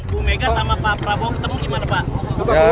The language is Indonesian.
bu mega sama pak prabowo ketemu gimana pak